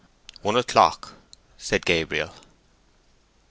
"One o'clock," said Gabriel.